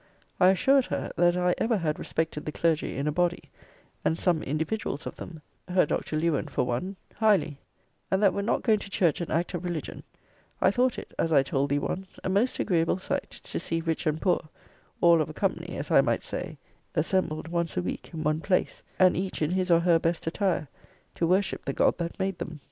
I assured her, that I ever had respected the clergy in a body; and some individuals of them (her Dr. Lewen for one) highly: and that were not going to church an act of religion, I thought it [as I told thee once] a most agreeable sight to see rich and poor, all of a company, as I might say, assembled once a week in one place, and each in his or her best attire, to worship the God that made them.